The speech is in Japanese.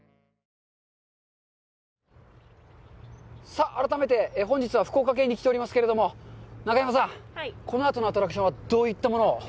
さあ、改めて、本日は福岡県に来ておりますけれども、中山さん、このあとのアトラクションはどういったものを？